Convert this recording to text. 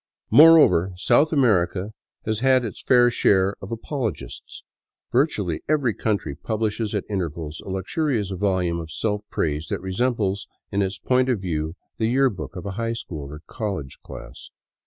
Moreover, South America has had its fair share of apologists. Virtually every country publishes at intervals a luxurious volume of self praise that resembles in its point of view the year book of a high school or college class.